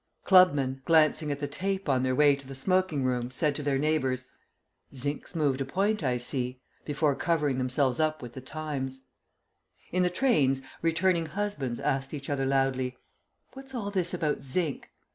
Clubmen, glancing at the tape on their way to the smoking room, said to their neighbours, "Zinc's moved a point, I see," before covering themselves up with The Times. In the trains, returning husbands asked each other loudly, "What's all this about zinc?"